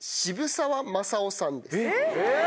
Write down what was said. えっ！